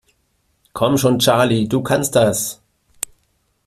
Komm schon, Charlie, du kannst das!